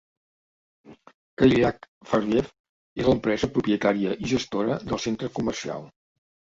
Cadillac Fairview és l'empresa propietària i gestora del centre comercial.